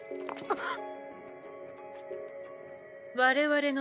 あっ！